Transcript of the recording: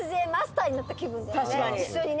一緒にね